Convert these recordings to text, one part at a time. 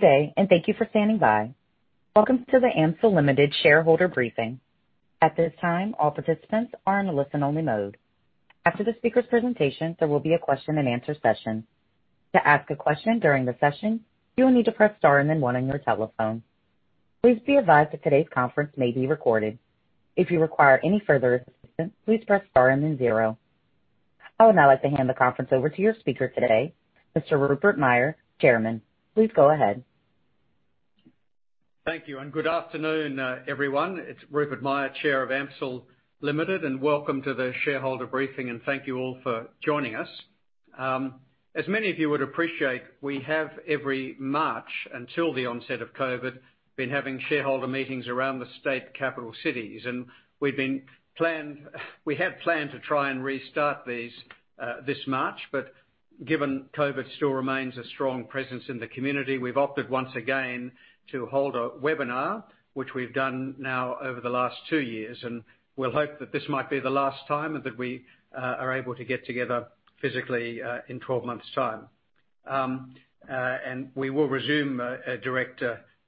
Thank you for standing by. Welcome to the AMCIL Limited Shareholder Briefing. At this time, all participants are in a listen-only mode. After the speaker's presentation, there will be a question-and-answer session. To ask a question during the session, you will need to press star and then one on your telephone. Please be advised that today's conference may be recorded. If you require any further assistance, please press star and then zero. I would now like to hand the conference over to your speaker today, Mr. Rupert Myer, Chairman. Please go ahead. Thank you, and good afternoon, everyone. It's Rupert Myer, Chair of AMCIL Limited, and welcome to the shareholder briefing, and thank you all for joining us. As many of you would appreciate, we have every March until the onset of COVID been having shareholder meetings around the state capital cities. We had planned to try and restart these this March, but given COVID still remains a strong presence in the community, we've opted once again to hold a webinar, which we've done now over the last two years. We'll hope that this might be the last time that we are able to get together physically in 12 months' time. We will resume a direct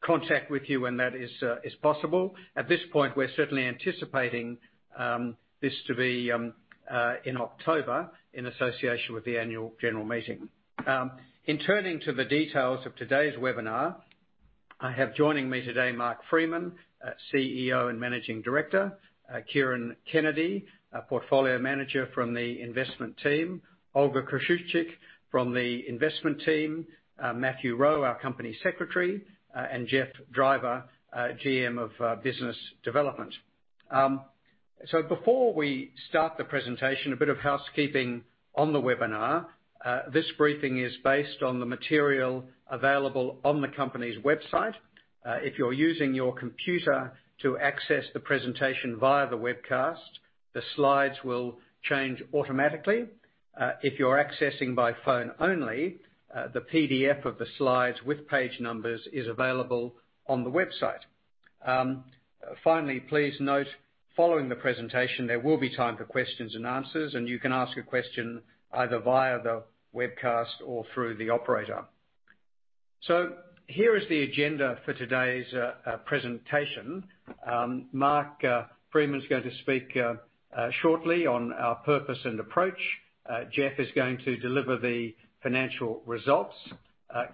contact with you when that is possible. At this point, we're certainly anticipating this to be in October, in association with the annual general meeting. In turning to the details of today's webinar, I have joining me today Mark Freeman, CEO and Managing Director, Kieran Kennedy, a Portfolio Manager from the investment team, Olga Kosciuczyk from the investment team, Matthew Rowe, our Company Secretary, and Geoffrey Driver, GM of Business Development. Before we start the presentation, a bit of housekeeping on the webinar. This briefing is based on the material available on the company's website. If you're using your computer to access the presentation via the webcast, the slides will change automatically. If you're accessing by phone only, the PDF of the slides with page numbers is available on the website. Finally, please note, following the presentation, there will be time for questions and answers, and you can ask a question either via the webcast or through the operator. Here is the agenda for today's presentation. Mark Freeman's going to speak shortly on our purpose and approach. Jeff is going to deliver the financial results.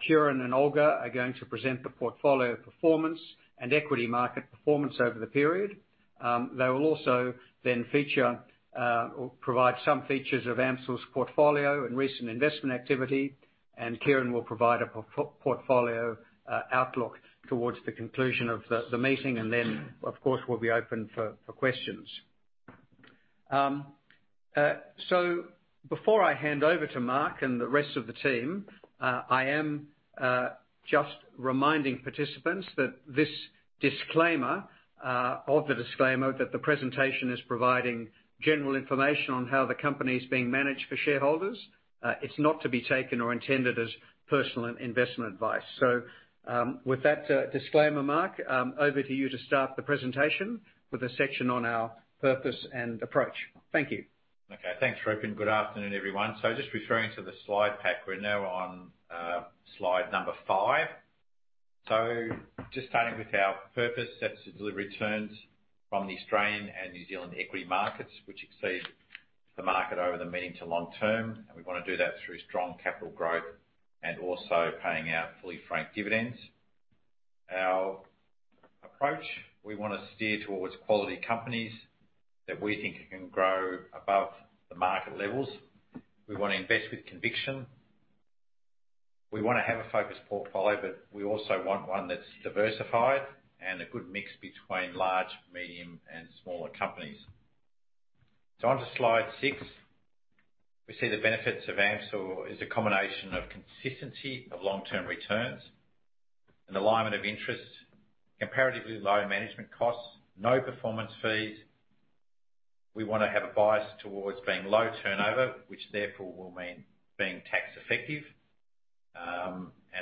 Kieran and Olga are going to present the portfolio performance and equity market performance over the period. They will also then feature or provide some features of AMCIL's portfolio and recent investment activity, and Kieran will provide a portfolio outlook towards the conclusion of the meeting. Of course, we'll be open for questions. Before I hand over to Mark and the rest of the team, I am just reminding participants that this disclaimer of the disclaimer that the presentation is providing general information on how the company is being managed for shareholders. It's not to be taken or intended as personal investment advice. With that disclaimer, Mark, over to you to start the presentation with a section on our purpose and approach. Thank you. Okay. Thanks, Rupert, and good afternoon, everyone. Just referring to the slide pack, we're now on slide number five. Just starting with our purpose. That's to deliver returns from the Australian and New Zealand equity markets, which exceed the market over the medium to long term. We wanna do that through strong capital growth and also paying out fully franked dividends. Our approach, we wanna steer towards quality companies that we think can grow above the market levels. We wanna invest with conviction. We wanna have a focused portfolio, but we also want one that's diversified and a good mix between large, medium, and smaller companies. On to slide six. We see the benefits of AMCIL is a combination of consistency of long-term returns and alignment of interests, comparatively low management costs, no performance fees. We wanna have a bias towards being low turnover, which therefore will mean being tax effective.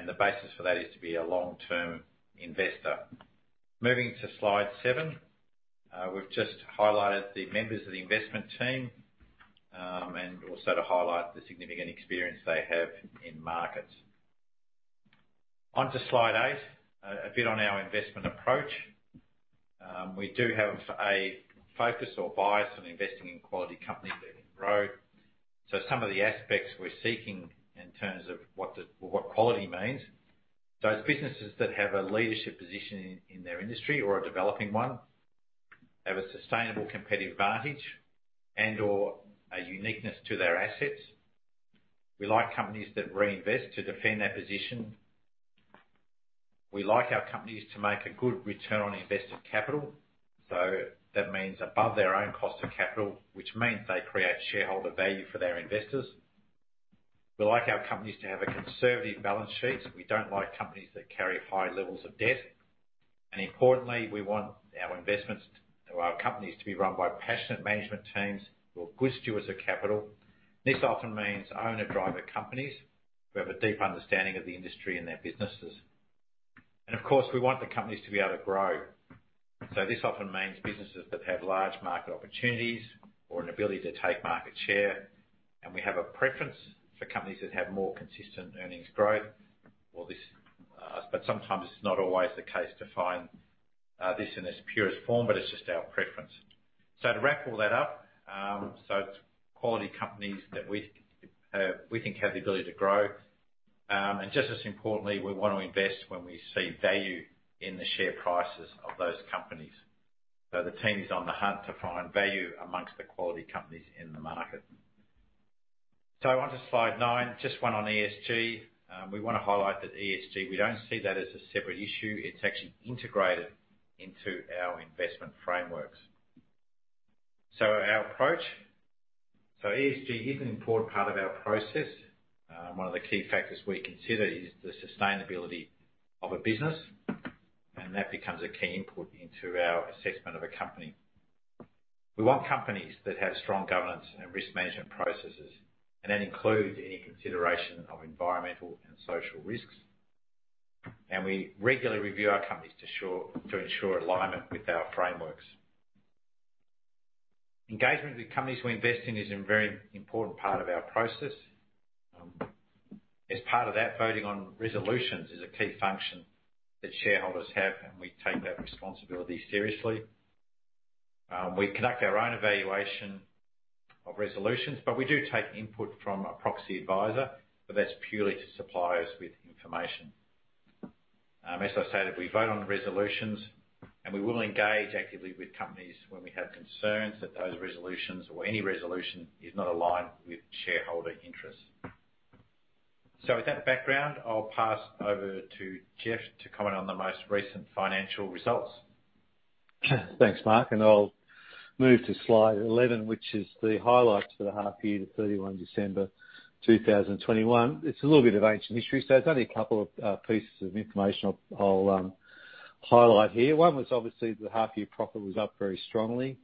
The basis for that is to be a long-term investor. Moving to slide seven. We've just highlighted the members of the investment team, and also to highlight the significant experience they have in markets. Onto slide eight, a bit on our investment approach. We do have a focus or bias on investing in quality companies that can grow. Some of the aspects we're seeking in terms of what quality means, those businesses that have a leadership position in their industry or a developing one, have a sustainable competitive advantage and/or a uniqueness to their assets. We like companies that reinvest to defend their position. We like our companies to make a good return on invested capital, so that means above their own cost of capital, which means they create shareholder value for their investors. We like our companies to have conservative balance sheets. We don't like companies that carry high levels of debt. Importantly, we want our investments or our companies to be run by passionate management teams who are good stewards of capital. This often means owner-driver companies who have a deep understanding of the industry and their businesses. Of course, we want the companies to be able to grow. This often means businesses that have large market opportunities or an ability to take market share, and we have a preference for companies that have more consistent earnings growth or this, Sometimes it's not always the case to find this in as purest form, but it's just our preference. To wrap all that up, it's quality companies that we think have the ability to grow. Just as importantly, we wanna invest when we see value in the share prices of those companies. The team is on the hunt to find value among the quality companies in the market. Onto slide nine, just one on ESG. We wanna highlight that ESG, we don't see that as a separate issue. It's actually integrated into our investment frameworks. Our approach. ESG is an important part of our process. One of the key factors we consider is the sustainability of a business, and that becomes a key input into our assessment of a company. We want companies that have strong governance and risk management processes, and that includes any consideration of environmental and social risks. We regularly review our companies to ensure alignment with our frameworks. Engagement with companies we invest in is a very important part of our process. As part of that, voting on resolutions is a key function that shareholders have, and we take that responsibility seriously. We conduct our own evaluation of resolutions, but we do take input from a proxy advisor, but that's purely to supply us with information. As I stated, we vote on the resolutions, and we will engage actively with companies when we have concerns that those resolutions or any resolution is not aligned with shareholder interests. With that background, I'll pass over to Jeff to comment on the most recent financial results. Thanks, Mark, and I'll move to slide 11, which is the highlights for the half year to 31st December 2021. It's a little bit of ancient history, so it's only a couple of pieces of information I'll highlight here. One was obviously the half year profit was up very strongly.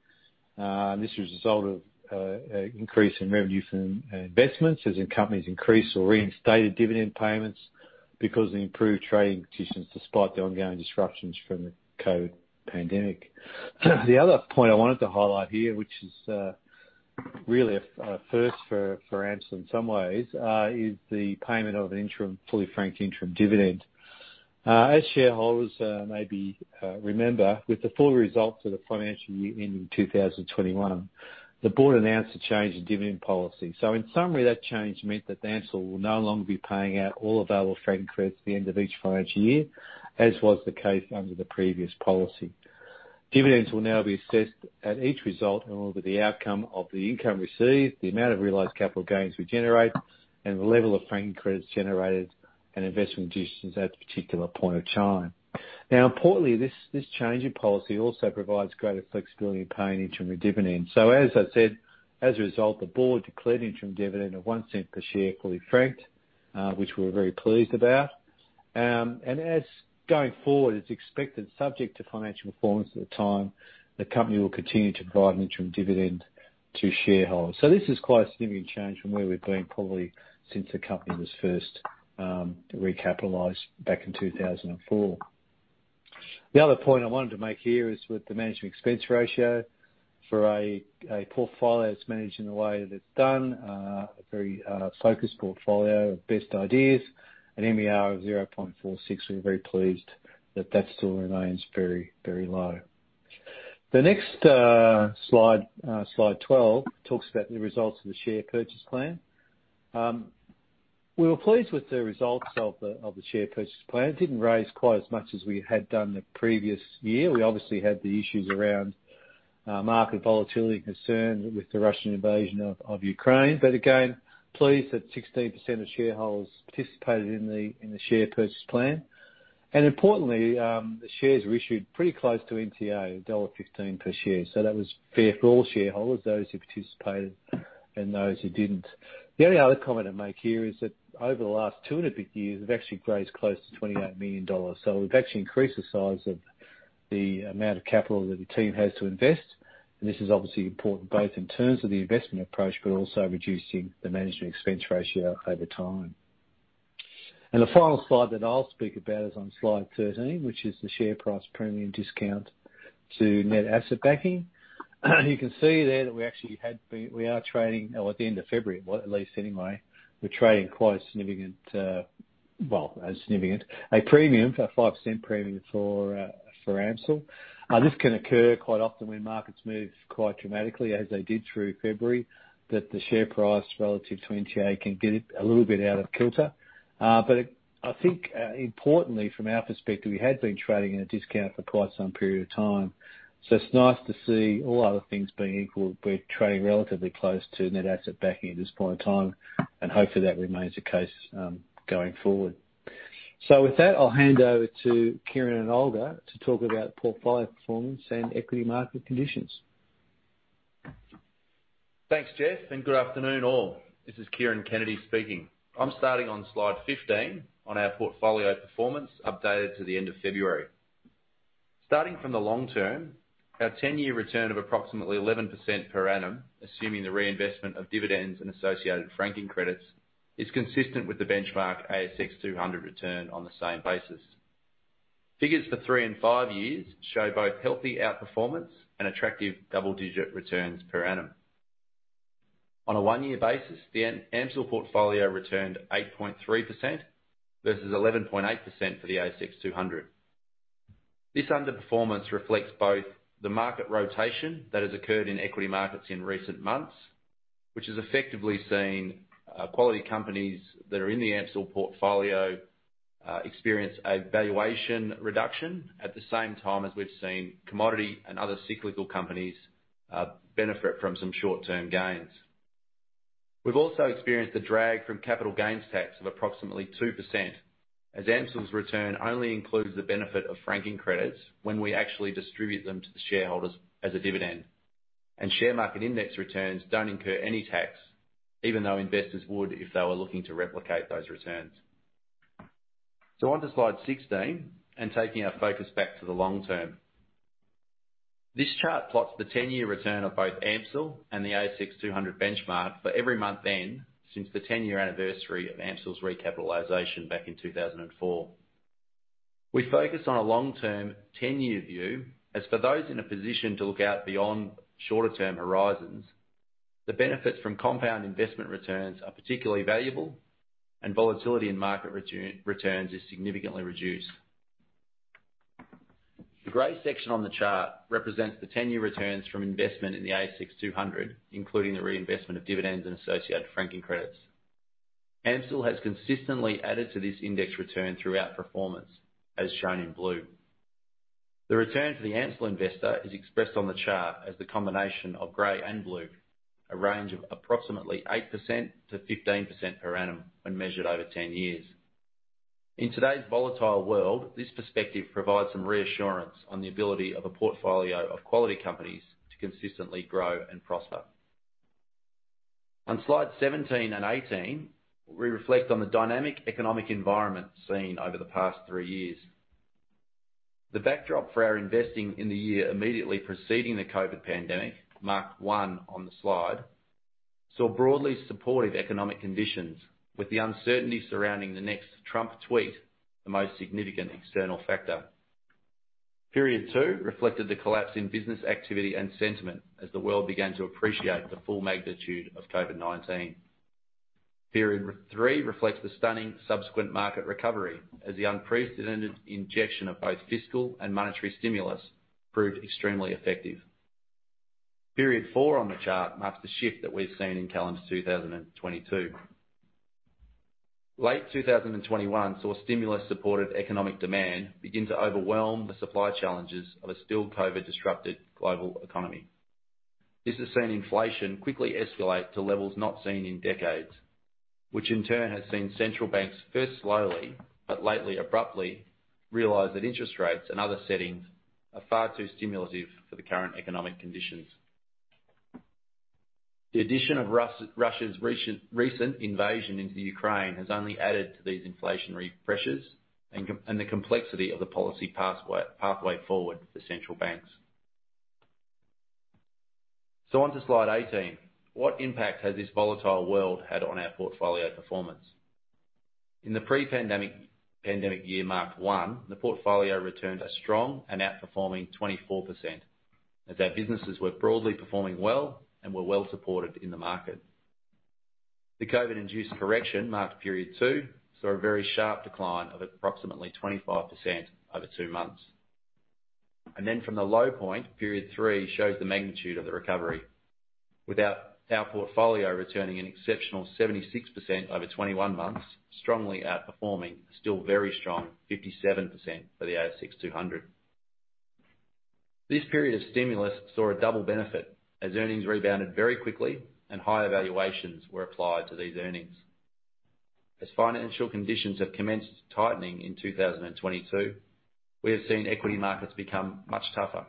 This was a result of a increase in revenue from investments as in companies increased or reinstated dividend payments because of the improved trading conditions despite the ongoing disruptions from the COVID-19 pandemic. The other point I wanted to highlight here, which is really a first for AMCIL in some ways, is the payment of an interim, fully franked interim dividend. As shareholders maybe remember, with the full results of the financial year ending 2021, the board announced a change in dividend policy. In summary, that change meant that AMCIL will no longer be paying out all available franking credits at the end of each financial year, as was the case under the previous policy. Dividends will now be assessed at each result and will be the outcome of the income received, the amount of realized capital gains we generate, and the level of franking credits generated and investment decisions at a particular point of time. Now importantly, this change in policy also provides greater flexibility in paying interim dividends. As I said, as a result, the board declared interim dividend of 0.01 per share, fully franked, which we're very pleased about. Going forward, it's expected, subject to financial performance at the time, the company will continue to provide an interim dividend to shareholders. This is quite a significant change from where we've been probably since the company was first recapitalized back in 2004. The other point I wanted to make here is with the management expense ratio. For a portfolio that's managed in the way that it's done, a very focused portfolio of best ideas, an MER of 0.46, we're very pleased that that still remains very, very low. The next slide 12, talks about the results of the share purchase plan. We were pleased with the results of the share purchase plan. It didn't raise quite as much as we had done the previous year. We obviously had the issues around market volatility and concern with the Russian invasion of Ukraine. Again, pleased that 16% of shareholders participated in the share purchase plan. Importantly, the shares were issued pretty close to NTA, dollar 1.15 per share. That was fair for all shareholders, those who participated and those who didn't. The only other comment I'd make here is that over the last two and a bit years, we've actually raised close to 28 million dollars. We've actually increased the size of the amount of capital that the team has to invest. This is obviously important both in terms of the investment approach, but also reducing the management expense ratio over time. The final slide that I'll speak about is on slide 13, which is the share price premium discount to net asset backing. You can see there that we actually had been. We are trading, or at the end of February, well, at least anyway, we're trading quite a significant premium, a 0.05 premium for AMCIL. This can occur quite often when markets move quite dramatically as they did through February, that the share price relative to NTA can get a little bit out of kilter. I think, importantly from our perspective, we had been trading at a discount for quite some period of time. It's nice to see all other things being equal, we're trading relatively close to net asset backing at this point in time, and hopefully, that remains the case going forward. With that, I'll hand over to Kieran and Olga to talk about portfolio performance and equity market conditions. Thanks, Jeff, and good afternoon all. This is Kieran Kennedy speaking. I'm starting on slide 15 on our portfolio performance updated to the end of February. Starting from the long term. Our 10-year return of approximately 11% per annum, assuming the reinvestment of dividends and associated franking credits, is consistent with the benchmark S&P/ASX 200 return on the same basis. Figures for three and five years show both healthy outperformance and attractive double-digit returns per annum. On a one-year basis, the AMCIL portfolio returned 8.3% versus 11.8% for the S&P/ASX 200. This underperformance reflects both the market rotation that has occurred in equity markets in recent months, which has effectively seen quality companies that are in the AMCIL portfolio experience a valuation reduction at the same time as we've seen commodity and other cyclical companies benefit from some short-term gains. We've also experienced the drag from capital gains tax of approximately 2%, as AMCIL's return only includes the benefit of franking credits when we actually distribute them to the shareholders as a dividend. Share market index returns don't incur any tax, even though investors would if they were looking to replicate those returns. Onto slide 16, and taking our focus back to the long term. This chart plots the 10-year return of both AMCIL and the S&P/ASX 200 benchmark for every month-end since the 10-year anniversary of AMCIL's recapitalization back in 2004. We focus on a long-term 10-year view, as for those in a position to look out beyond shorter term horizons, the benefits from compound investment returns are particularly valuable, and volatility in market returns is significantly reduced. The gray section on the chart represents the 10-year returns from investment in the ASX 200, including the reinvestment of dividends and associated franking credits. AMCIL has consistently added to this index return through our performance, as shown in blue. The return to the AMCIL investor is expressed on the chart as the combination of gray and blue, a range of approximately 8%-15% per annum when measured over 10 years. In today's volatile world, this perspective provides some reassurance on the ability of a portfolio of quality companies to consistently grow and prosper. On slide 17 and 18, we reflect on the dynamic economic environment seen over the past three years. The backdrop for our investing in the year immediately preceding the COVID pandemic, mark 1 on the slide, saw broadly supportive economic conditions with the uncertainty surrounding the next Trump tweet, the most significant external factor. Period 2 reflected the collapse in business activity and sentiment as the world began to appreciate the full magnitude of COVID-19. Period 3 reflects the stunning subsequent market recovery as the unprecedented injection of both fiscal and monetary stimulus proved extremely effective. Period 4 on the chart marks the shift that we've seen in calendar 2022. Late 2021 saw stimulus-supported economic demand begin to overwhelm the supply challenges of a still COVID-disrupted global economy. This has seen inflation quickly escalate to levels not seen in decades, which in turn has seen central banks first slowly, but lately abruptly, realize that interest rates and other settings are far too stimulative for the current economic conditions. The addition of Russia's recent invasion into Ukraine has only added to these inflationary pressures and the complexity of the policy pathway forward for central banks. Onto slide 18, what impact has this volatile world had on our portfolio performance? In the pre-pandemic year, mark 1, the portfolio returns are strong and outperforming 24%, as our businesses were broadly performing well and were well-supported in the market. The COVID-induced correction, period two, saw a very sharp decline of approximately 25% over two months. From the low point, period 3 shows the magnitude of the recovery. With our portfolio returning an exceptional 76% over 21 months, strongly outperforming a still very strong 57% for the S&P/ASX 200. This period of stimulus saw a double benefit as earnings rebounded very quickly and high valuations were applied to these earnings. As financial conditions have commenced tightening in 2022, we have seen equity markets become much tougher.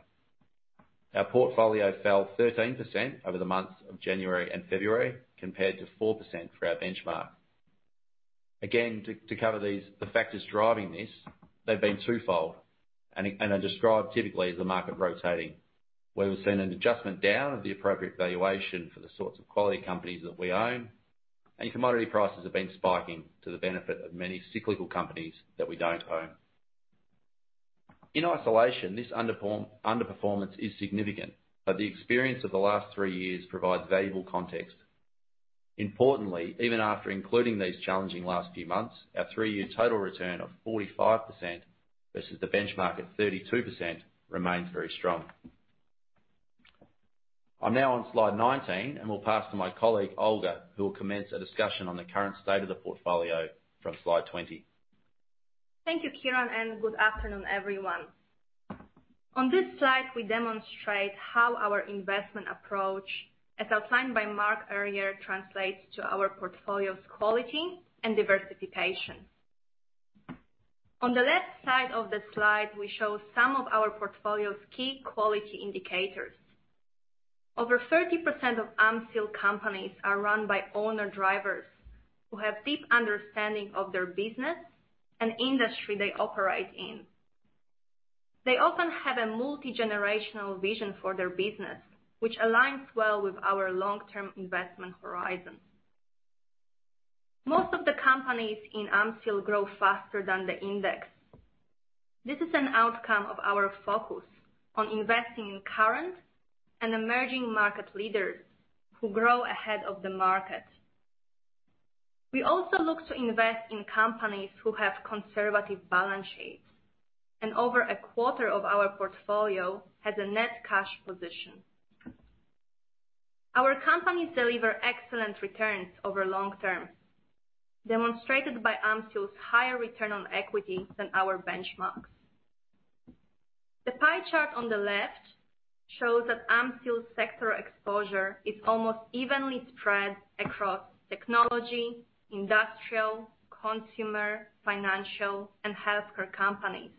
Our portfolio fell 13% over the months of January and February, compared to 4% for our benchmark. Again, to cover these, the factors driving this, they've been twofold and are described typically as the market rotating. Where we've seen an adjustment down of the appropriate valuation for the sorts of quality companies that we own, and commodity prices have been spiking to the benefit of many cyclical companies that we don't own. In isolation, this underperformance is significant, but the experience of the last three years provides valuable context. Importantly, even after including these challenging last few months, our three-year total return of 45% versus the benchmark at 32% remains very strong. I'm now on slide 19, and will pass to my colleague, Olga, who will commence a discussion on the current state of the portfolio from slide 20. Thank you, Kieran, and good afternoon, everyone. On this slide, we demonstrate how our investment approach, as outlined by Mark earlier, translates to our portfolio's quality and diversification. On the left side of the slide, we show some of our portfolio's key quality indicators. Over 30% of AMCIL companies are run by owner-drivers who have deep understanding of their business and industry they operate in. They often have a multi-generational vision for their business, which aligns well with our long-term investment horizon. Most of the companies in AMCIL grow faster than the index. This is an outcome of our focus on investing in current and emerging market leaders who grow ahead of the market. We also look to invest in companies who have conservative balance sheets, and over a quarter of our portfolio has a net cash position. Our companies deliver excellent returns over long-term, demonstrated by AMCIL's higher return on equity than our benchmarks. The pie chart on the left shows that AMCIL's sector exposure is almost evenly spread across technology, industrial, consumer, financial, and healthcare companies.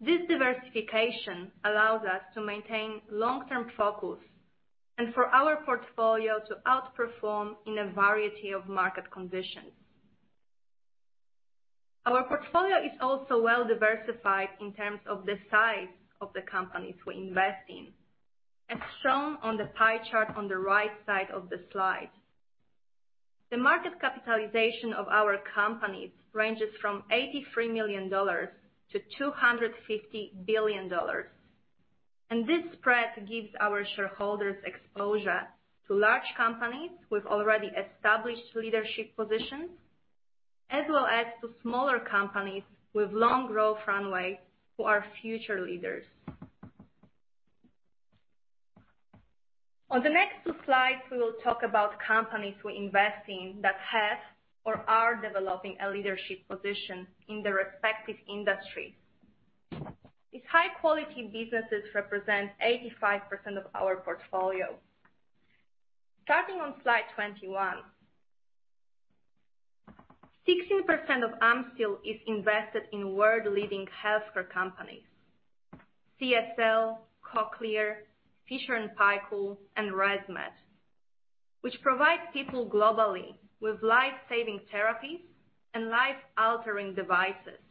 This diversification allows us to maintain long-term focus and for our portfolio to outperform in a variety of market conditions. Our portfolio is also well diversified in terms of the size of the companies we invest in, as shown on the pie chart on the right side of the slide. The market capitalization of our companies ranges from 83 million-250 billion dollars. This spread gives our shareholders exposure to large companies with already established leadership positions, as well as to smaller companies with long growth runway who are future leaders. On the next two slides, we will talk about companies we invest in that have or are developing a leadership position in their respective industries. These high-quality businesses represent 85% of our portfolio. Starting on slide 21. 16% of AMCIL is invested in world-leading healthcare companies, CSL, Cochlear, Fisher & Paykel, and ResMed, which provide people globally with life-saving therapies and life-altering devices.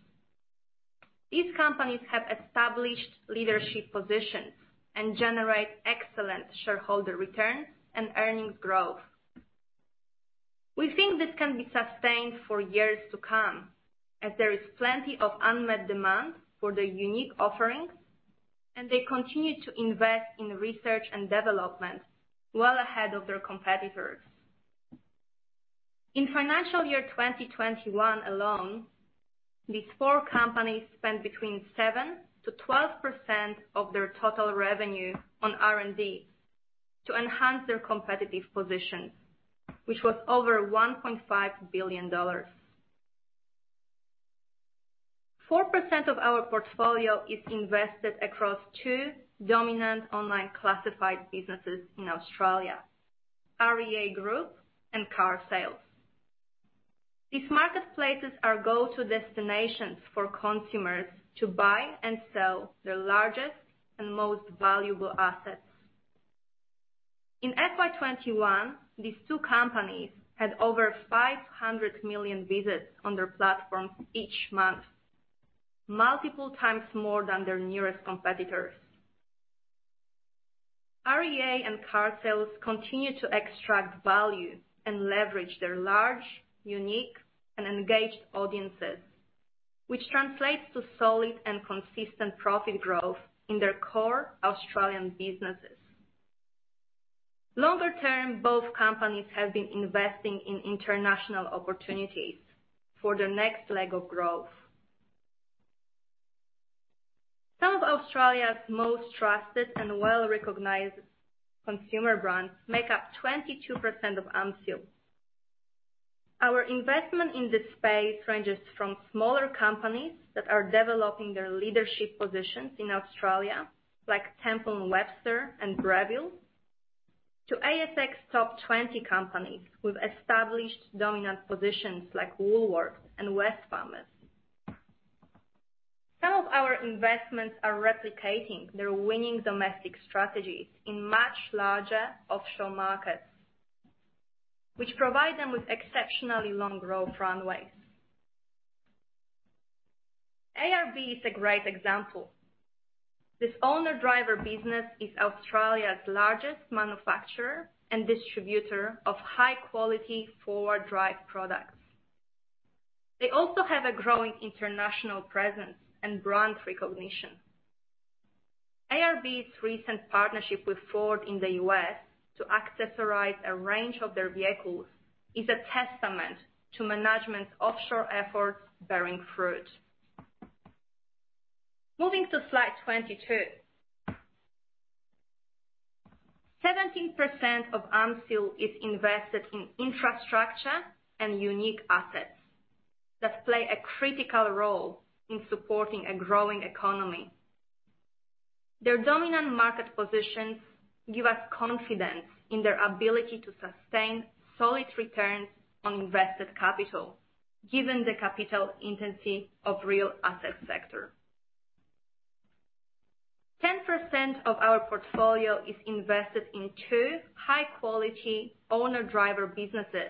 These companies have established leadership positions and generate excellent shareholder returns and earnings growth. We think this can be sustained for years to come as there is plenty of unmet demand for their unique offerings, and they continue to invest in research and development well ahead of their competitors. In financial year 2021 alone, these four companies spent between 7%-12% of their total revenue on R&D to enhance their competitive position, which was over AUD 1.5 billion. 4% of our portfolio is invested across two dominant online classified businesses in Australia, REA Group and Carsales. These marketplaces are go-to destinations for consumers to buy and sell their largest and most valuable assets. In FY 2021, these two companies had over 500 million visits on their platforms each month, multiple times more than their nearest competitors. REA and Carsales continue to extract value and leverage their large, unique, and engaged audiences, which translates to solid and consistent profit growth in their core Australian businesses. Longer term, both companies have been investing in international opportunities for their next leg of growth. Some of Australia's most trusted and well-recognized consumer brands make up 22% of AMCIL. Our investment in this space ranges from smaller companies that are developing their leadership positions in Australia, like Temple & Webster and Breville, to ASX top 20 companies with established dominant positions like Woolworths and Wesfarmers. Some of our investments are replicating their winning domestic strategies in much larger offshore markets, which provide them with exceptionally long growth runways. ARB is a great example. This owner-driver business is Australia's largest manufacturer and distributor of high-quality four-wheel drive products. They also have a growing international presence and brand recognition. ARB's recent partnership with Ford in the U.S. to accessorize a range of their vehicles is a testament to management's offshore efforts bearing fruit. Moving to slide 22. 17% of AMCIL is invested in infrastructure and unique assets that play a critical role in supporting a growing economy. Their dominant market positions give us confidence in their ability to sustain solid returns on invested capital. Given the capital intensity of the real asset sector. 10% of our portfolio is invested in two high-quality owner-driver businesses,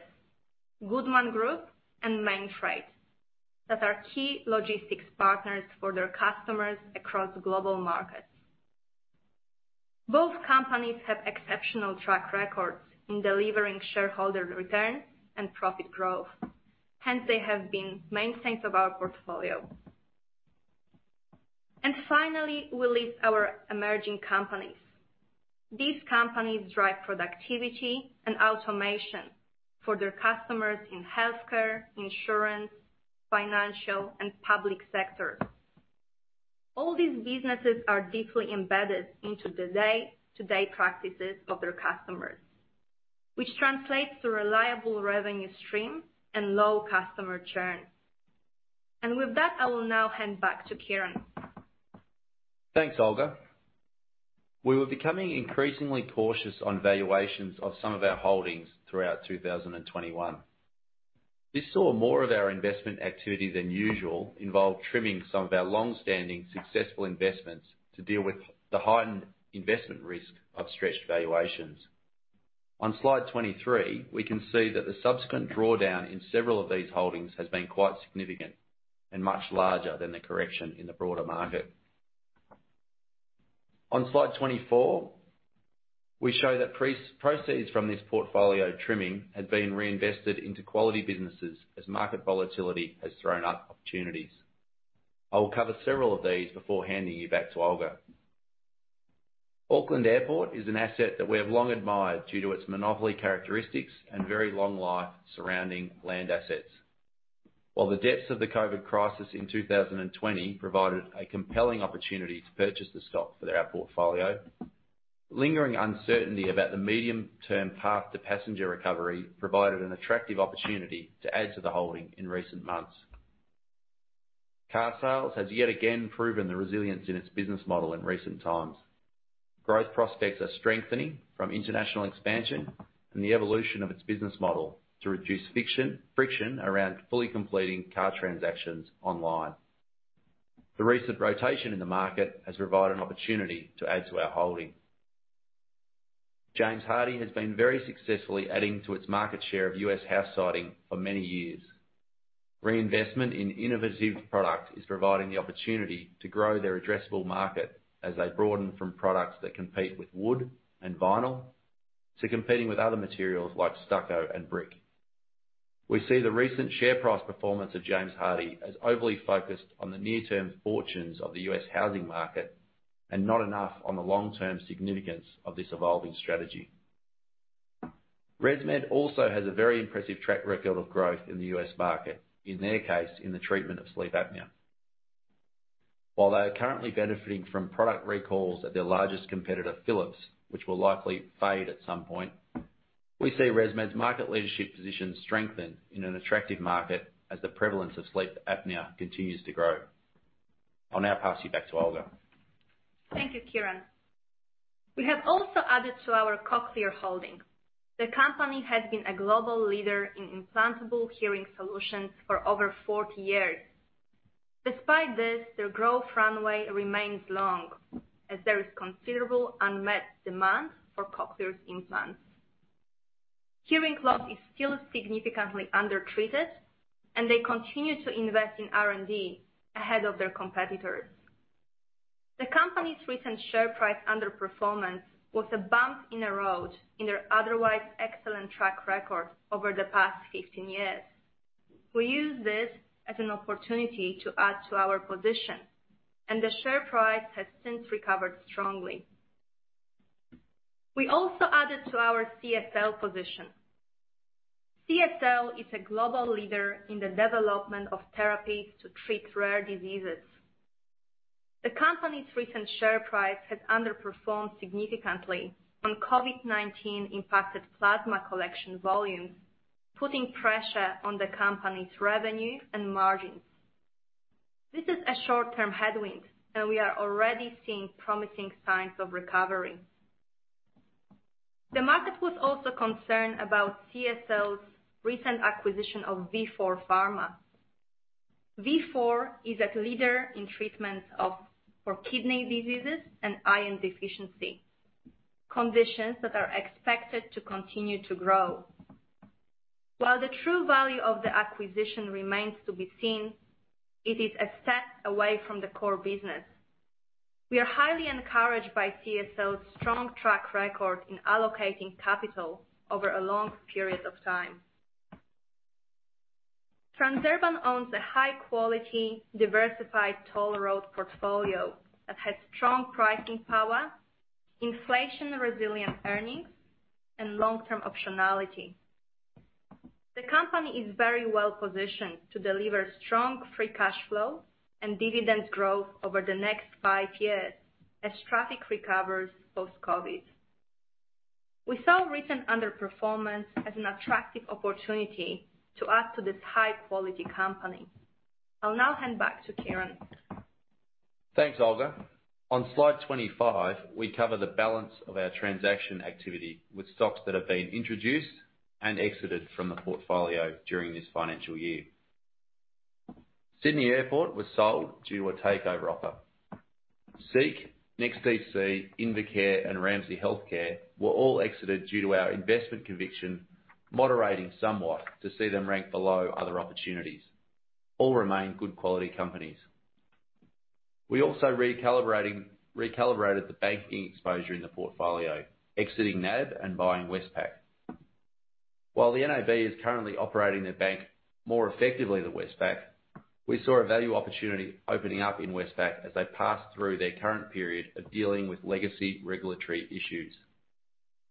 Goodman Group and Mainfreight, that are key logistics partners for their customers across global markets. Both companies have exceptional track records in delivering shareholder returns and profit growth. Hence, they have been mainstays of our portfolio. Finally, we list our emerging companies. These companies drive productivity and automation for their customers in healthcare, insurance, financial, and public sector. All these businesses are deeply embedded into the day-to-day practices of their customers, which translates to reliable revenue stream and low customer churn. With that, I will now hand back to Kieran. Thanks, Olga. We were becoming increasingly cautious on valuations of some of our holdings throughout 2021. This saw more of our investment activity than usual involve trimming some of our long-standing successful investments to deal with the heightened investment risk of stretched valuations. On slide 23, we can see that the subsequent drawdown in several of these holdings has been quite significant and much larger than the correction in the broader market. On slide 24, we show that proceeds from this portfolio trimming have been reinvested into quality businesses as market volatility has thrown up opportunities. I will cover several of these before handing you back to Olga. Auckland Airport is an asset that we have long admired due to its monopoly characteristics and very long life surrounding land assets. While the depths of the COVID crisis in 2020 provided a compelling opportunity to purchase this stock for our portfolio, lingering uncertainty about the medium-term path to passenger recovery provided an attractive opportunity to add to the holding in recent months. CAR Group has yet again proven the resilience in its business model in recent times. Growth prospects are strengthening from international expansion and the evolution of its business model to reduce friction around fully completing car transactions online. The recent rotation in the market has provided an opportunity to add to our holding. James Hardie has been very successfully adding to its market share of U.S. house siding for many years. Reinvestment in innovative product is providing the opportunity to grow their addressable market as they broaden from products that compete with wood and vinyl to competing with other materials like stucco and brick. We see the recent share price performance of James Hardie as overly focused on the near-term fortunes of the US housing market and not enough on the long-term significance of this evolving strategy. ResMed also has a very impressive track record of growth in the US market, in their case, in the treatment of sleep apnea. While they are currently benefiting from product recalls at their largest competitor, Philips, which will likely fade at some point, we see ResMed's market leadership position strengthen in an attractive market as the prevalence of sleep apnea continues to grow. I'll now pass you back to Olga. Thank you, Kieran. We have also added to our Cochlear holding. The company has been a global leader in implantable hearing solutions for over 40 years. Despite this, their growth runway remains long as there is considerable unmet demand for Cochlear's implants. Hearing loss is still significantly undertreated, and they continue to invest in R&D ahead of their competitors. The company's recent share price underperformance was a bump in the road in their otherwise excellent track record over the past 15 years. We use this as an opportunity to add to our position, and the share price has since recovered strongly. We also added to our CSL position. CSL is a global leader in the development of therapies to treat rare diseases. The company's recent share price has underperformed significantly when COVID-19 impacted plasma collection volumes, putting pressure on the company's revenue and margins. This is a short-term headwind, and we are already seeing promising signs of recovery. The market was also concerned about CSL's recent acquisition of Vifor Pharma. Vifor is a leader in treatments of, for kidney diseases and iron deficiency, conditions that are expected to continue to grow. While the true value of the acquisition remains to be seen, it is a step away from the core business. We are highly encouraged by CSL's strong track record in allocating capital over a long period of time. Transurban owns a high-quality, diversified toll road portfolio that has strong pricing power, inflation-resilient earnings, and long-term optionality. The company is very well-positioned to deliver strong free cash flow and dividend growth over the next five years as traffic recovers post-COVID. We saw recent underperformance as an attractive opportunity to add to this high-quality company. I'll now hand back to Kieran. Thanks, Olga. On slide 25, we cover the balance of our transaction activity with stocks that have been introduced and exited from the portfolio during this financial year. Sydney Airport was sold due to a takeover offer. SEEK, NEXTDC, InvoCare and Ramsay Health Care were all exited due to our investment conviction moderating somewhat to see them ranked below other opportunities. All remain good quality companies. We also recalibrated the banking exposure in the portfolio, exiting NAB and buying Westpac. While the NAB is currently operating their bank more effectively than Westpac, we saw a value opportunity opening up in Westpac as they passed through their current period of dealing with legacy regulatory issues.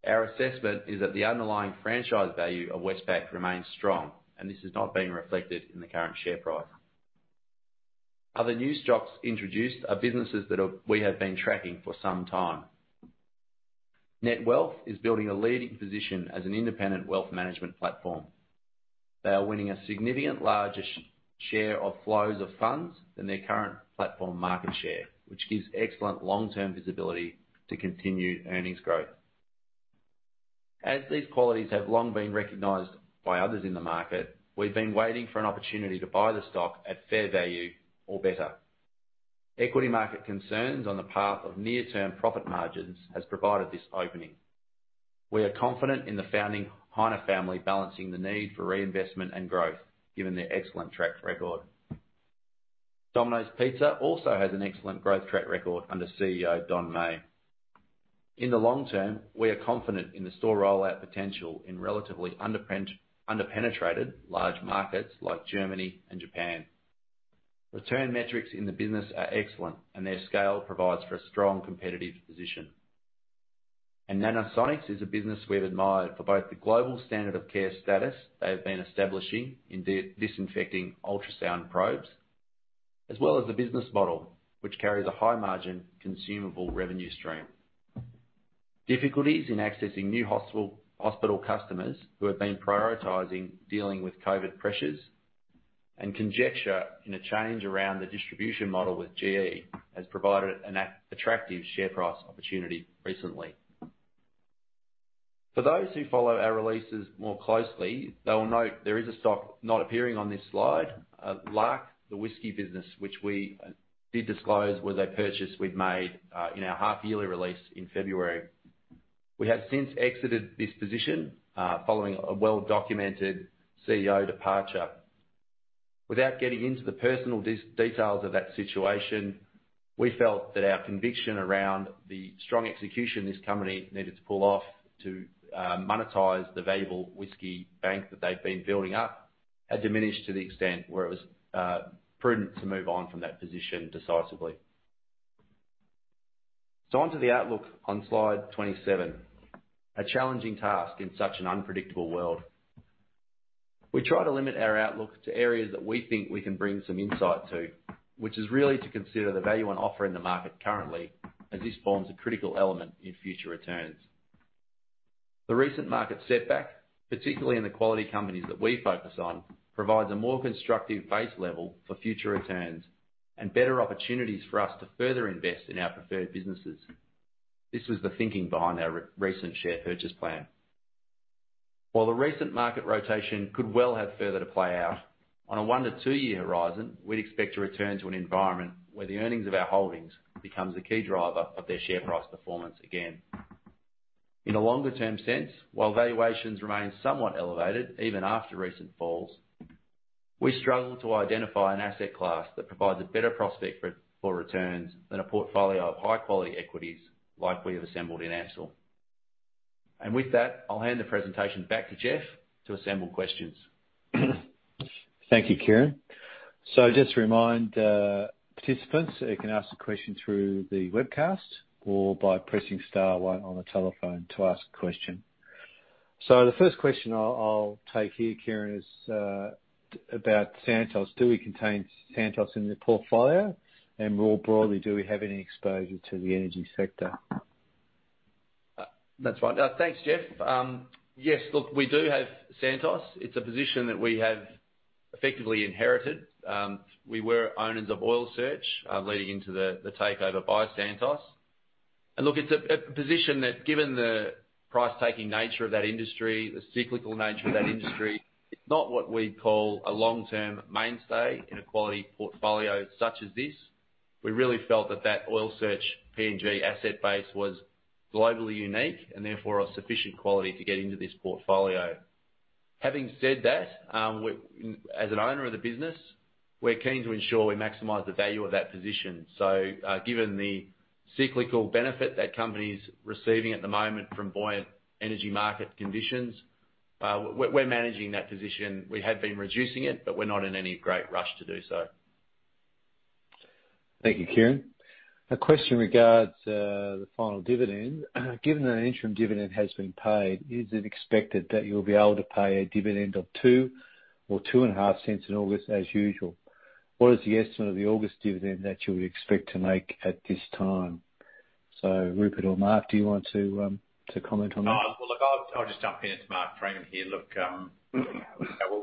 Our assessment is that the underlying franchise value of Westpac remains strong, and this is not being reflected in the current share price. Other new stocks introduced are businesses that we have been tracking for some time. Netwealth is building a leading position as an independent wealth management platform. They are winning a significantly larger share of flows of funds than their current platform market share, which gives excellent long-term visibility to continued earnings growth. As these qualities have long been recognized by others in the market, we've been waiting for an opportunity to buy the stock at fair value or better. Equity market concerns on the path of near-term profit margins has provided this opening. We are confident in the founding Heine family balancing the need for reinvestment and growth, given their excellent track record. Domino's Pizza also has an excellent growth track record under CEO Don Meij. In the long term, we are confident in the store rollout potential in relatively underpenetrated large markets like Germany and Japan. Return metrics in the business are excellent, and their scale provides for a strong competitive position. Nanosonics is a business we've admired for both the global standard of care status they have been establishing in disinfecting ultrasound probes, as well as the business model, which carries a high margin consumable revenue stream. Difficulties in accessing new hospital customers who have been prioritizing dealing with COVID pressures and conjecture in a change around the distribution model with GE has provided an attractive share price opportunity recently. For those who follow our releases more closely, they will note there is a stock not appearing on this slide, Lark, the whisky business, which we did disclose was a purchase we'd made in our half-yearly release in February. We have since exited this position following a well-documented CEO departure. Without getting into the personal details of that situation, we felt that our conviction around the strong execution this company needed to pull off to monetize the valuable whiskey bank that they've been building up had diminished to the extent where it was prudent to move on from that position decisively. On to the outlook on slide 27, a challenging task in such an unpredictable world. We try to limit our outlook to areas that we think we can bring some insight to, which is really to consider the value on offer in the market currently, as this forms a critical element in future returns. The recent market setback, particularly in the quality companies that we focus on, provides a more constructive base level for future returns and better opportunities for us to further invest in our preferred businesses. This was the thinking behind our recent share purchase plan. While the recent market rotation could well have further to play out, on a one or two-year horizon, we'd expect to return to an environment where the earnings of our holdings becomes a key driver of their share price performance again. In a longer term sense, while valuations remain somewhat elevated even after recent falls, we struggle to identify an asset class that provides a better prospect for returns than a portfolio of high-quality equities like we have assembled in AMCIL. With that, I'll hand the presentation back to Jeff to answer questions. Thank you, Kieran. Just to remind participants, you can ask the question through the webcast or by pressing star one on the telephone to ask a question. The first question I'll take here, Kieran, is about Santos. Do we contain Santos in the portfolio? And more broadly, do we have any exposure to the energy sector? That's right. Thanks, Jeff. Yes, look, we do have Santos. It's a position that we have effectively inherited. We were owners of Oil Search, leading into the takeover by Santos. Look, it's a position that given the price-taking nature of that industry, the cyclical nature of that industry, it's not what we'd call a long-term mainstay in a quality portfolio such as this. We really felt that that Oil Search PNG asset base was globally unique and therefore a sufficient quality to get into this portfolio. Having said that, as an owner of the business, we're keen to ensure we maximize the value of that position. Given the cyclical benefit that company's receiving at the moment from buoyant energy market conditions, we're managing that position. We have been reducing it, but we're not in any great rush to do so. Thank you, Kieran. A question regarding the final dividend. Given that an interim dividend has been paid, is it expected that you'll be able to pay a dividend of 0.02 or 0.025 in August as usual? What is the estimate of the August dividend that you would expect to make at this time? Rupert Myer or Mark Freeman, do you want to comment on that? Oh, well, look, I'll just jump in. It's Mark Freeman here. Look,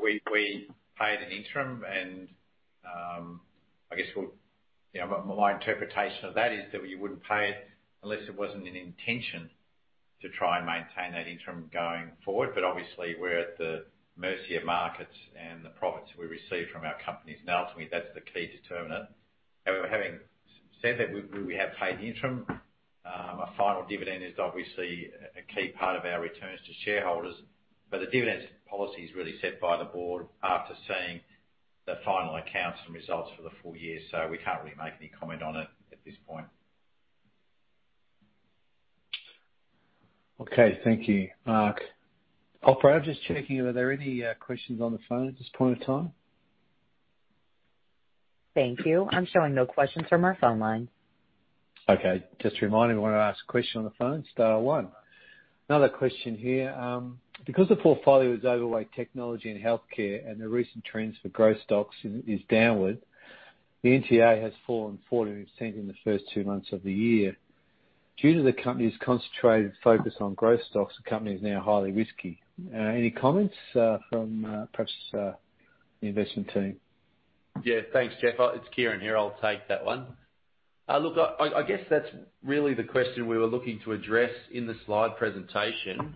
we paid an interim. You know, my interpretation of that is that we wouldn't pay it unless it wasn't an intention to try and maintain that interim going forward. Obviously, we're at the mercy of markets and the profits we receive from our companies. Ultimately, that's the key determinant. Having said that, we have paid the interim. A final dividend is obviously a key part of our returns to shareholders. The dividend policy is really set by the board after seeing the final accounts and results for the full year. We can't really make any comment on it at this point. Okay. Thank you, Mark. Operator, just checking, are there any questions on the phone at this point in time? Thank you. I'm showing no questions from our phone line. Okay, just a reminder to ask a question dial star one. Another question here, because the portfolio is overweight technology and healthcare and the recent trends for growth stocks is downward, the NTA has fallen 40% in the first two months of the year. Due to the company's concentrated focus on growth stocks, the company is now highly risky. Any comments from perhaps the investment team? Yeah. Thanks, Jeff. It's Kieran here. I'll take that one. Look, I guess that's really the question we were looking to address in the slide presentation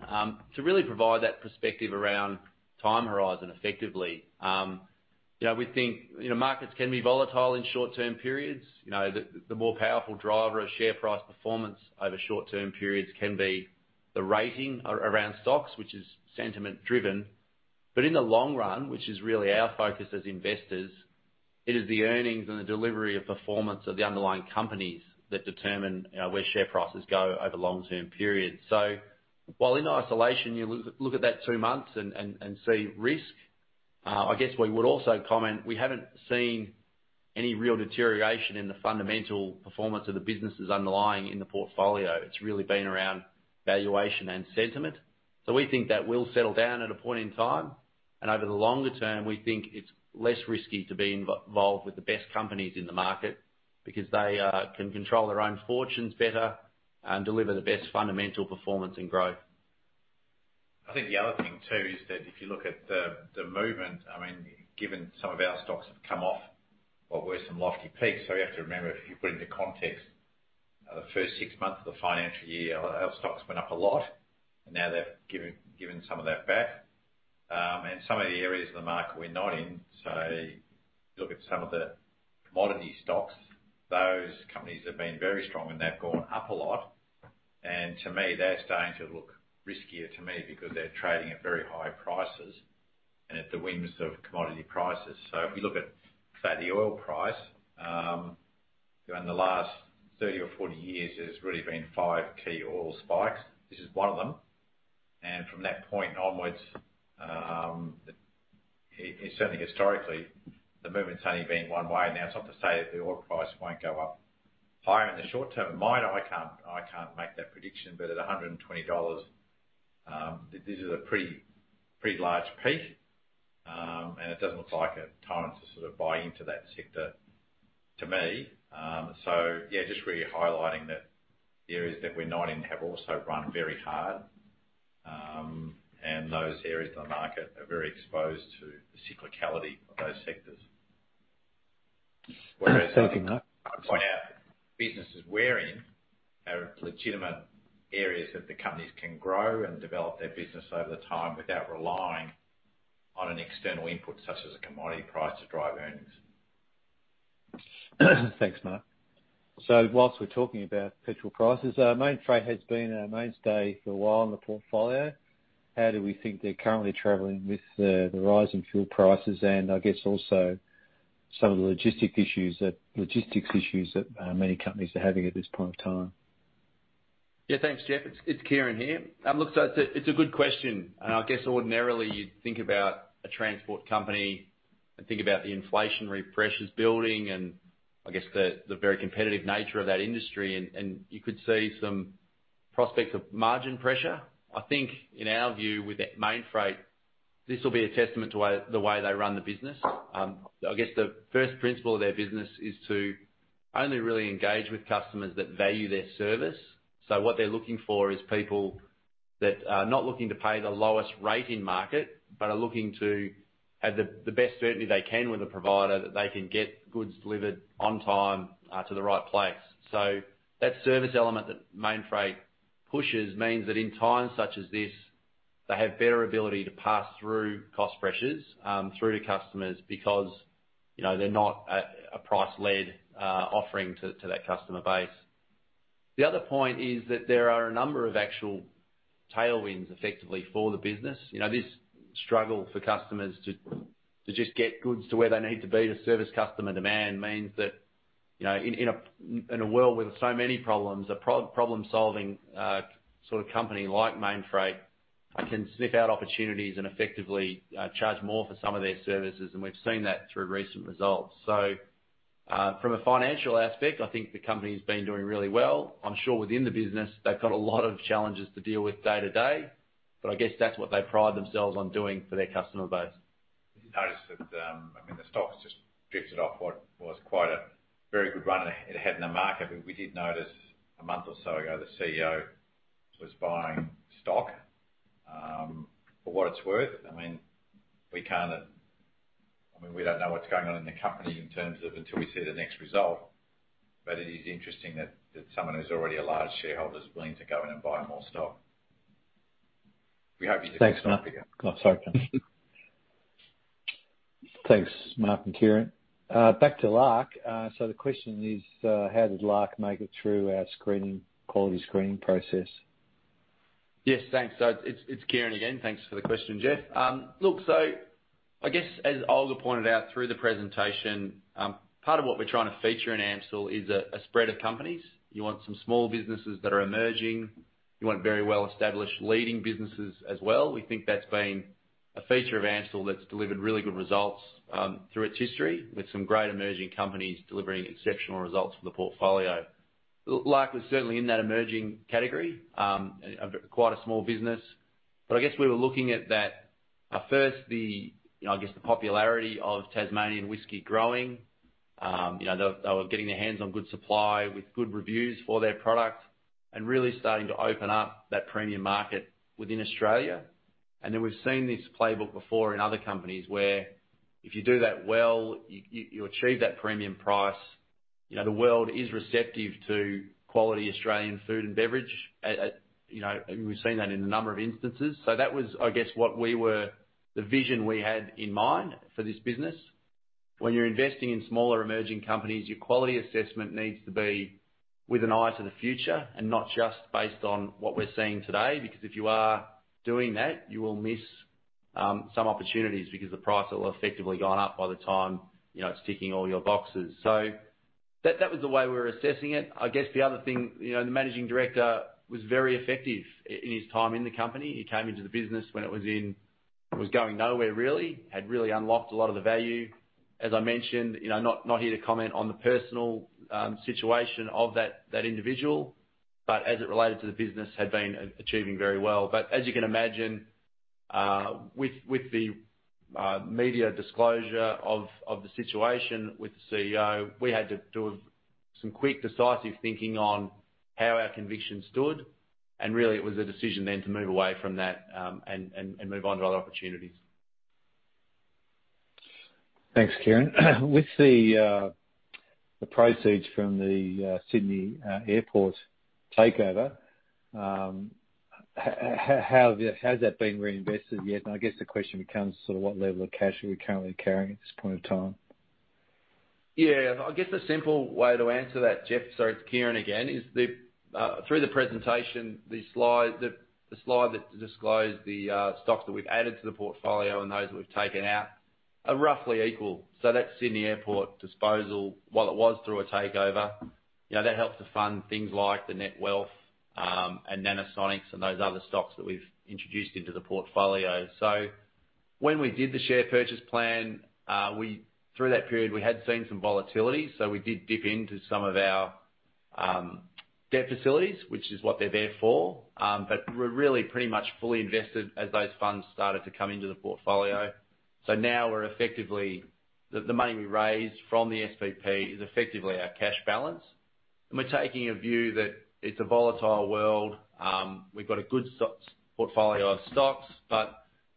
to really provide that perspective around time horizon effectively. You know, we think, you know, markets can be volatile in short-term periods. You know, the more powerful driver of share price performance over short-term periods can be the ratings around stocks, which is sentiment driven. In the long run, which is really our focus as investors, it is the earnings and the delivery of performance of the underlying companies that determine, you know, where share prices go over long-term periods. While in isolation, you look at that two months and see risk. I guess we would also comment, we haven't seen any real deterioration in the fundamental performance of the businesses underlying in the portfolio. It's really been around valuation and sentiment. We think that will settle down at a point in time. Over the longer term, we think it's less risky to be involved with the best companies in the market because they can control their own fortunes better and deliver the best fundamental performance and growth. I think the other thing too is that if you look at the movement, I mean, given some of our stocks have come off what were some lofty peaks. You have to remember, if you put into context, the first six months of the financial year, our stocks went up a lot, and now they're giving some of that back. Some of the areas of the market we're not in, say, look at some of the commodity stocks, those companies have been very strong, and they've gone up a lot. To me, they're starting to look riskier to me because they're trading at very high prices and at the whims of commodity prices. If you look at, say, the oil price, during the last 30 or 40 years, there's really been five key oil spikes. This is one of them. From that point onwards, it certainly historically, the movement's only been one way. Now, it's not to say that the oil price won't go up higher in the short term. Mind you, I can't make that prediction, but at $120, this is a pretty large peak. It doesn't look like a time to sort of buy into that sector to me. Yeah, just really highlighting that the areas that we're not in have also run very hard. Those areas of the market are very exposed to the cyclicality of those sectors. Thank you, Mark. I'd point out, businesses we're in are legitimate areas that the companies can grow and develop their business over the time without relying on an external input, such as a commodity price, to drive earnings. Thanks, Mark. While we're talking about petrol prices, Mainfreight has been a mainstay for a while in the portfolio. How do we think they're currently traveling with the rise in fuel prices and I guess also some of the logistics issues that many companies are having at this point in time? Yeah. Thanks, Jeff. It's Kieran here. Look, it's a good question. I guess ordinarily you'd think about a transport company and think about the inflationary pressures building and I guess the very competitive nature of that industry and you could see some prospects of margin pressure. I think in our view with Mainfreight, this will be a testament to the way they run the business. I guess the first principle of their business is to only really engage with customers that value their service. What they're looking for is people that are not looking to pay the lowest rate in market, but are looking to have the best certainty they can with a provider that they can get goods delivered on time to the right place. That service element that Mainfreight pushes means that in times such as this, they have better ability to pass through cost pressures through to customers because, you know, they're not a price-led offering to that customer base. The other point is that there are a number of actual tailwinds effectively for the business. You know, this struggle for customers to just get goods to where they need to be to service customer demand means that, you know, in a world with so many problems, a problem-solving sort of company like Mainfreight can sniff out opportunities and effectively charge more for some of their services, and we've seen that through recent results. From a financial aspect, I think the company's been doing really well. I'm sure within the business they've got a lot of challenges to deal with day to day, but I guess that's what they pride themselves on doing for their customer base. You noticed that, I mean, the stock's just drifted off what was quite a very good run it had in the market. But we did notice a month or so ago, the CEO was buying stock, for what it's worth. I mean, we can't, I mean, we don't know what's going on in the company in terms of until we see the next result. But it is interesting that someone who's already a large shareholder is willing to go in and buy more stock. We hope you- Thanks, Mark. Oh, sorry, Kieran. Thanks, Mark and Kieran. Back to Lark. The question is, how did Lark make it through our screening, quality screening process? Yes, thanks. It's Kieran again. Thanks for the question, Jeff. Look, I guess as Olga pointed out through the presentation, part of what we're trying to feature in AMCIL is a spread of companies. You want some small businesses that are emerging. You want very well-established leading businesses as well. We think that's been a feature of AMCIL that's delivered really good results through its history, with some great emerging companies delivering exceptional results for the portfolio. Lark was certainly in that emerging category, quite a small business. I guess we were looking at that at first, the popularity of Tasmanian whiskey growing. You know, they were getting their hands on good supply with good reviews for their product and really starting to open up that premium market within Australia. We've seen this playbook before in other companies where if you do that well, you achieve that premium price. You know, the world is receptive to quality Australian food and beverage. We've seen that in a number of instances. That was, I guess, the vision we had in mind for this business. When you're investing in smaller, emerging companies, your quality assessment needs to be with an eye to the future and not just based on what we're seeing today. Because if you are doing that, you will miss some opportunities because the price will have effectively gone up by the time, you know, it's ticking all your boxes. That was the way we were assessing it. I guess the other thing, you know, the managing director was very effective in his time in the company. He came into the business when it was going nowhere really, had really unlocked a lot of the value. As I mentioned, you know, not here to comment on the personal situation of that individual, but as it related to the business, had been achieving very well. As you can imagine, with the media disclosure of the situation with the CEO, we had to do some quick, decisive thinking on how our conviction stood. Really, it was a decision then to move away from that, and move on to other opportunities. Thanks, Kieran. With the proceeds from the Sydney Airport takeover, how has that been reinvested yet? I guess the question becomes sort of what level of cash are we currently carrying at this point in time? Yeah. I guess the simple way to answer that, Jeff, sorry, it's Kieran again, is through the presentation, the slide that disclosed the stocks that we've added to the portfolio and those that we've taken out are roughly equal. That Sydney Airport disposal, while it was through a takeover, you know, that helps to fund things like the Netwealth and Nanosonics and those other stocks that we've introduced into the portfolio. When we did the share purchase plan, through that period, we had seen some volatility, so we did dip into some of our debt facilities, which is what they're there for. We're really pretty much fully invested as those funds started to come into the portfolio. Now we're effectively. The money we raised from the SPP is effectively our cash balance. We're taking a view that it's a volatile world. We've got a good portfolio of stocks, but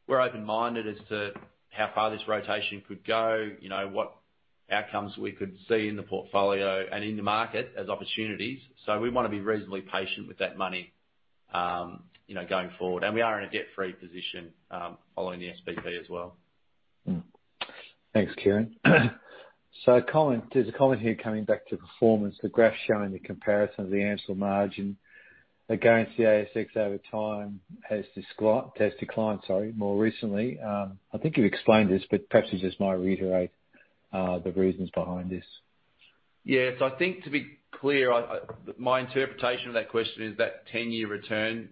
we're open-minded as to how far this rotation could go, you know, what outcomes we could see in the portfolio and in the market as opportunities. We wanna be reasonably patient with that money, you know, going forward. We are in a debt-free position, following the SPP as well. Thanks, Kieran. Comment, there's a comment here coming back to performance, the graph showing the comparison of the AMCIL margin against the ASX over time has declined, sorry, more recently. I think you've explained this, but perhaps you just might reiterate the reasons behind this. Yeah. I think to be clear, my interpretation of that question is that 10-year return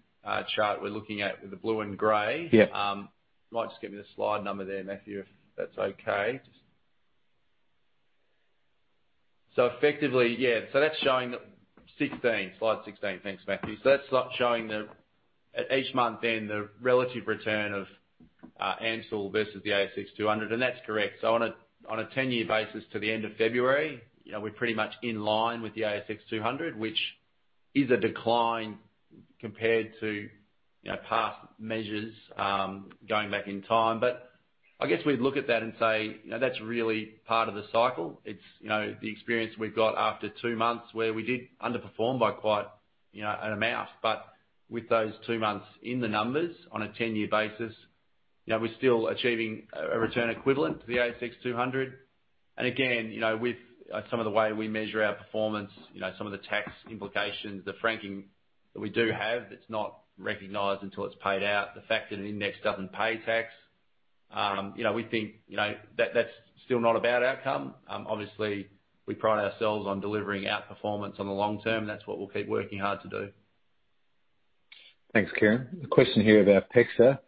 chart we're looking at with the blue and gray. Yeah. You might just get me the slide number there, Matthew, if that's okay. Effectively, yeah, that's showing that. 16. Slide 16. Thanks, Matthew. That's showing the, at each month end, the relative return of AMCIL versus the ASX 200, and that's correct. On a 10-year basis to the end of February, you know, we're pretty much in line with the ASX 200, which is a decline compared to, you know, past measures, going back in time. I guess we'd look at that and say, "You know, that's really part of the cycle." It's you know, the experience we've got after two months where we did underperform by quite, you know, an amount. With those two months in the numbers on a 10-year basis, you know, we're still achieving a return equivalent to the ASX 200. Again, you know, with some of the way we measure our performance, you know, some of the tax implications, the franking that we do have that's not recognized until it's paid out, the fact that an index doesn't pay tax, you know, we think, you know, that that's still not a bad outcome. Obviously, we pride ourselves on delivering outperformance on the long term. That's what we'll keep working hard to do. Thanks, Kieran. A question here about PEXA.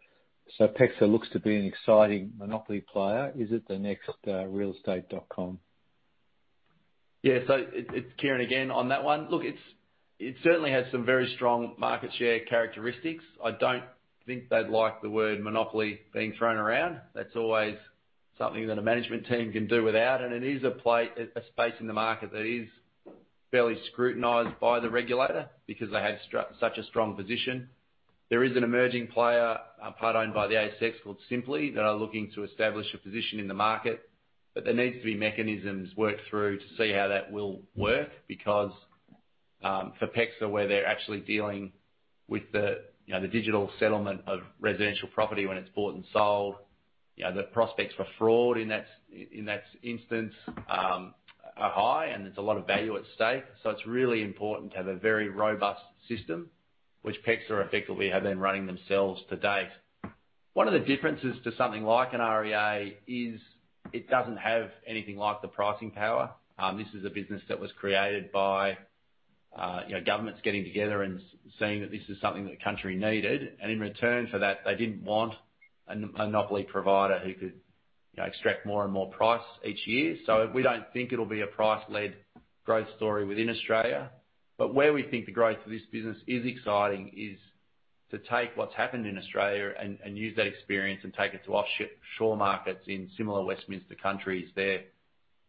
PEXA looks to be an exciting monopoly player. Is it the next realestate.com? Yeah. It's Kieran again on that one. Look, it certainly has some very strong market share characteristics. I don't think they'd like the word monopoly being thrown around. That's always something that a management team can do without, and it is a space in the market that is fairly scrutinized by the regulator because they have such a strong position. There is an emerging player, part-owned by the ASX called Sympli, that are looking to establish a position in the market. But there needs to be mechanisms worked through to see how that will work because, for PEXA, where they're actually dealing with the digital settlement of residential property when it's bought and sold. You know, the prospects for fraud in that instance are high, and there's a lot of value at stake. It's really important to have a very robust system, which PEXA effectively have been running themselves to date. One of the differences to something like an REA is it doesn't have anything like the pricing power. This is a business that was created by, you know, governments getting together and seeing that this is something that the country needed. In return for that, they didn't want a monopoly provider who could, you know, extract more and more price each year. We don't think it'll be a price-led growth story within Australia. Where we think the growth of this business is exciting is to take what's happened in Australia and use that experience and take it to offshore markets in similar Westminster countries. They're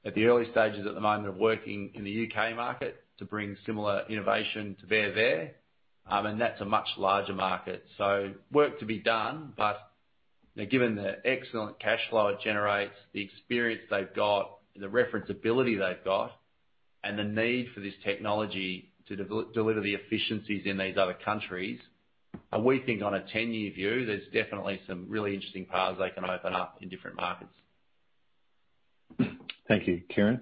at the early stages at the moment of working in the UK market to bring similar innovation to bear there, and that's a much larger market. Work to be done, but, you know, given the excellent cash flow it generates, the experience they've got and the reference-ability they've got, and the need for this technology to deliver the efficiencies in these other countries, we think on a 10-year view, there's definitely some really interesting paths they can open up in different markets. Thank you, Kieran.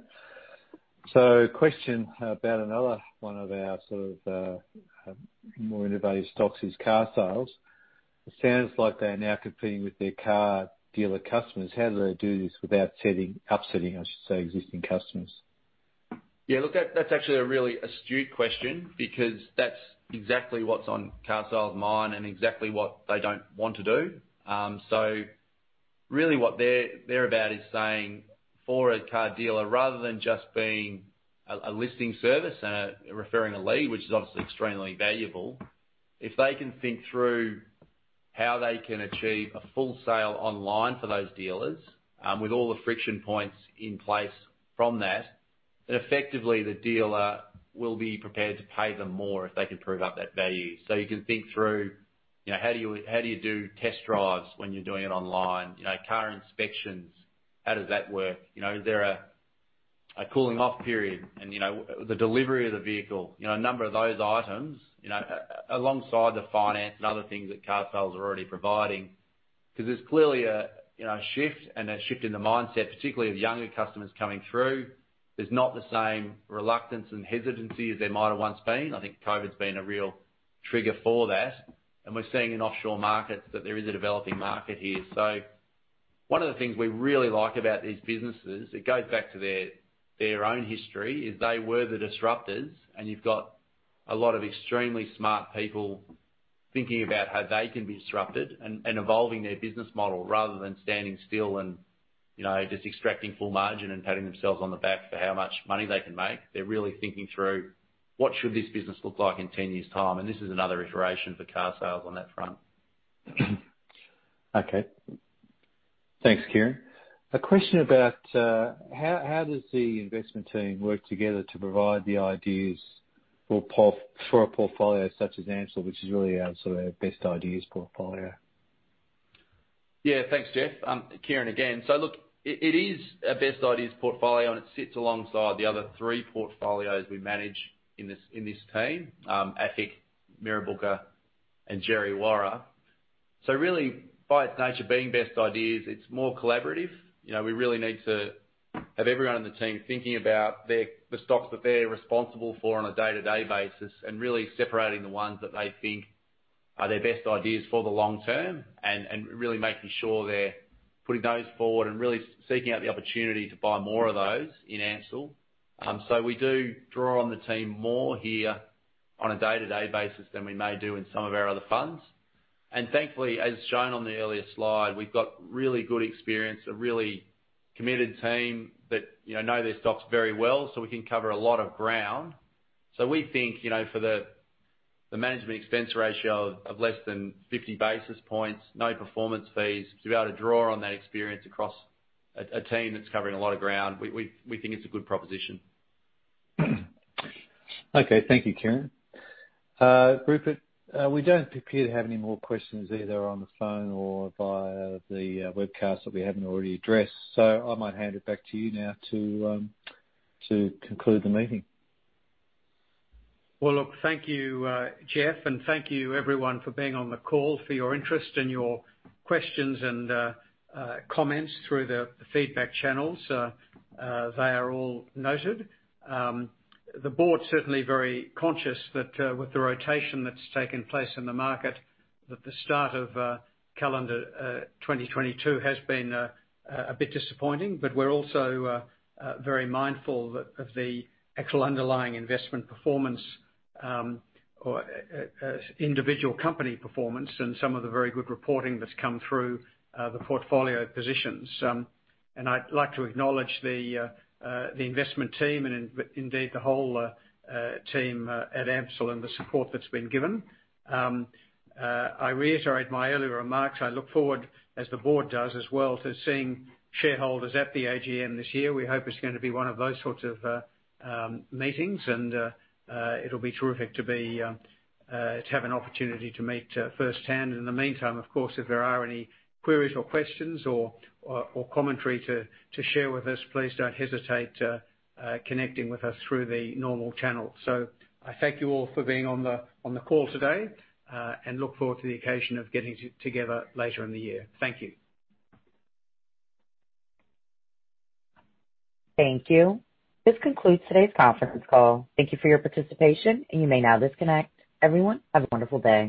Question about another one of our sort of more innovative stocks is Carsales. It sounds like they're now competing with their car dealer customers. How do they do this without upsetting, I should say, existing customers? Yeah. Look, that's actually a really astute question because that's exactly what's on Carsales' mind and exactly what they don't want to do. Really what they're about is saying for a car dealer, rather than just being a listing service and referring a lead, which is obviously extremely valuable. If they can think through how they can achieve a full sale online for those dealers, with all the friction points in place from that, then effectively the dealer will be prepared to pay them more if they can prove up that value. You can think through, you know, how do you do test drives when you're doing it online? You know, car inspections, how does that work? You know, is there a cooling off period? You know, the delivery of the vehicle. You know, a number of those items, you know, alongside the finance and other things that Carsales are already providing because there's clearly a, you know, a shift in the mindset, particularly of younger customers coming through. There's not the same reluctance and hesitancy as there might have once been. I think COVID's been a real trigger for that. We're seeing in offshore markets that there is a developing market here. One of the things we really like about these businesses, it goes back to their own history, is they were the disruptors, and you've got a lot of extremely smart people thinking about how they can be disrupted and evolving their business model rather than standing still and, you know, just extracting full margin and patting themselves on the back for how much money they can make. They're really thinking through what should this business look like in 10 years' time, and this is another iteration for Carsales on that front. Okay. Thanks, Kieran. A question about how does the investment team work together to provide the ideas for a portfolio such as AMCIL, which is really our sort of best ideas portfolio? Yeah. Thanks, Jeff. Kieran again. Look, it is a best ideas portfolio, and it sits alongside the other three portfolios we manage in this team, AFIC, Mirrabooka and Djerriwarrh. Really, by its nature being best ideas, it's more collaborative. You know, we really need to have everyone on the team thinking about the stocks that they're responsible for on a day-to-day basis, and really separating the ones that they think are their best ideas for the long term. Really making sure they're putting those forward and really seeking out the opportunity to buy more of those in AMCIL. We do draw on the team more here on a day-to-day basis than we may do in some of our other funds. Thankfully, as shown on the earlier slide, we've got really good experience, a really committed team that, you know their stocks very well, so we can cover a lot of ground. We think, you know, for the management expense ratio of less than 50 basis points, no performance fees, to be able to draw on that experience across a team that's covering a lot of ground, we think it's a good proposition. Okay. Thank you, Kieran. Rupert, we don't appear to have any more questions either on the phone or via the webcast that we haven't already addressed. I might hand it back to you now to conclude the meeting. Well, look, thank you, Jeff, and thank you everyone for being on the call, for your interest and your questions and comments through the feedback channels. They are all noted. The board's certainly very conscious that, with the rotation that's taken place in the market, that the start of calendar 2022 has been a bit disappointing. We're also very mindful of the actual underlying investment performance or individual company performance and some of the very good reporting that's come through the portfolio positions. I'd like to acknowledge the investment team and indeed the whole team at AMCIL and the support that's been given. I reiterate my earlier remarks. I look forward, as the board does as well, to seeing shareholders at the AGM this year. We hope it's gonna be one of those sorts of meetings, and it'll be terrific to have an opportunity to meet firsthand. In the meantime, of course, if there are any queries or questions or commentary to share with us, please don't hesitate connecting with us through the normal channels. I thank you all for being on the call today, and look forward to the occasion of getting together later in the year. Thank you. Thank you. This concludes today's conference call. Thank you for your participation, and you may now disconnect. Everyone, have a wonderful day.